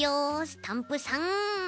スタンプさん。